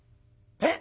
「えっ？